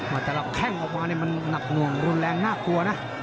มาแต่ละแข้งออกมานี่มันหนักหน่วงรุนแรงน่ากลัวนะ